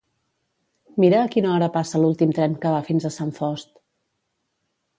Mira a quina hora passa l'últim tren que va fins Sant Fost.